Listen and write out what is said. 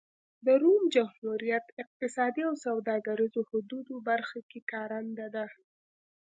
د روم جمهوریت اقتصادي او سوداګریزو حدودو برخه کې کارنده ده.